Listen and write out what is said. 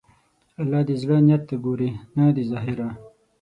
الله د زړه نیت ته ګوري، نه د ظاهره.